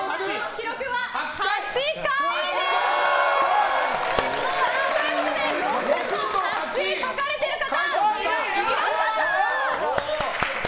記録は８回です！ということで、６と８を書かれてる方。